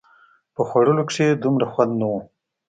په خوړلو کښې يې دومره خوند نه و.